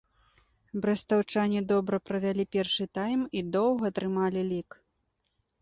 Брэстаўчане добра правялі першы тайм і доўга трымалі лік.